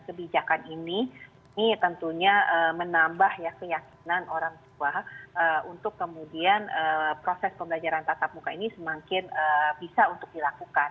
kebijakan ini ini tentunya menambah ya keyakinan orang tua untuk kemudian proses pembelajaran tatap muka ini semakin bisa untuk dilakukan